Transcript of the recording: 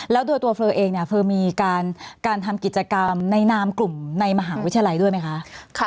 แล้วโดยตัวเฟอร์เองเนี่ยเฟอร์มีการทำกิจกรรมในนามกลุ่มในมหาวิทยาลัยด้วยไหมคะ